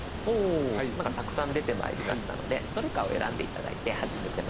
なんかたくさん出てまいりましたのでどれかを選んで頂いて始めてまいりましょう。